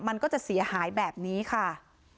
มันก็จะเสียหายแบบนี้ค่ะ